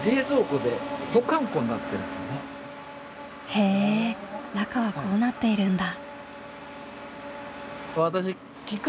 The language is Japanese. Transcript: へえ中はこうなっているんだ。